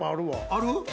ある？